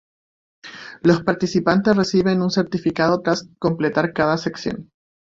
Los participantes reciben un certificado tras completar cada sección.